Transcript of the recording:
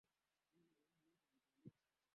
Kwako nisogeze